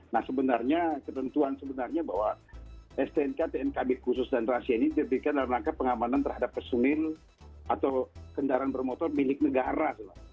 nah sebenarnya ketentuan sebenarnya bahwa stnk tnkb khusus dan rahasia ini diberikan dalam rangka pengamanan terhadap pesonil atau kendaraan bermotor milik negara